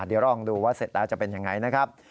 เดี๋ยวลองดูว่าเสร็จแล้วจะเป็นยังไงนะครับ